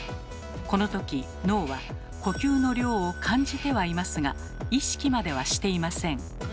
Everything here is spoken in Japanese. このとき脳は呼吸の量を感じてはいますが意識まではしていません。